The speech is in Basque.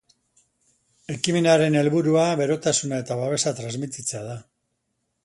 Ekimenaren helburua berotasuna eta babesa transmititzea da.